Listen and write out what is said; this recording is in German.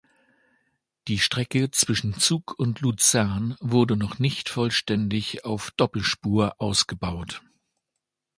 Die Strecke zwischen Zug und Luzern wurde noch nicht vollständig auf Doppelspur ausgebaut.